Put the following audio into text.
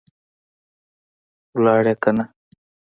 لاړې که نه؟